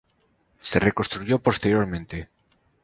Se reconstruyó posteriormente.